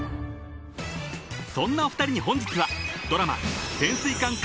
［そんなお二人に本日は］